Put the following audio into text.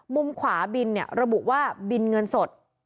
มุมขวาบินระบุว่าบินเงินสด